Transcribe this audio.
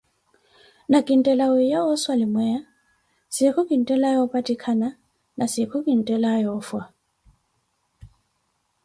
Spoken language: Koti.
Na ki neettela wiiya wa osalimweya, siikhu kinttelaaye opattikana na siikho kintellaya oofwa.